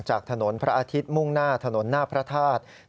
จากถนนพระอาทิตย์มุ่งหน้าถนนหน้าพระธาตุ